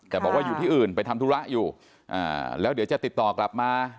แต่บอกว่าอยู่ที่อื่นไปทำธุระอยู่แล้วเดี๋ยวจะติดต่อกลับมา